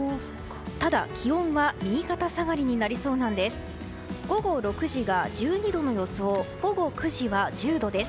ただ、気温は右肩下がりになりそうです。